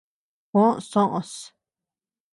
Juó soʼös.